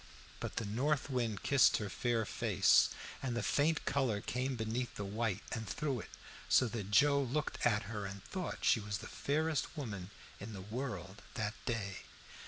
But the north wind kissed her fair face and the faint color came beneath the white and through it, so that Joe looked at her and thought she was the fairest woman in the world that day.